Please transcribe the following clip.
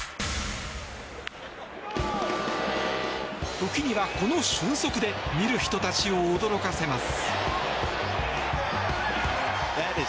時には、この俊足で見る人たちを驚かせます。